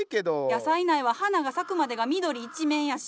野菜苗は花が咲くまでが緑一面やし。